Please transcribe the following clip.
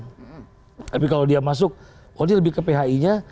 tapi kalau dia masuk oh dia lebih ke phi nya